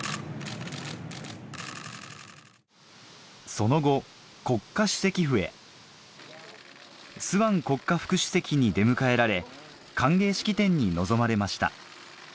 その後国家主席府へスアン国家副主席に出迎えられ歓迎式典に臨まれました